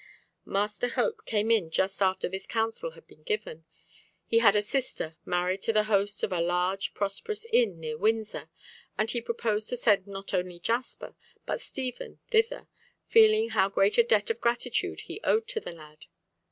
Master Hope came in just after this counsel had been given. He had a sister married to the host of a large prosperous inn near Windsor, and he proposed to send not only Jasper but Stephen thither, feeling how great a debt of gratitude he owed to the lad.